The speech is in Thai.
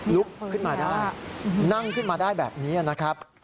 ลุกขึ้นมาได้นั่งขึ้นมาได้แบบนี้นะครับ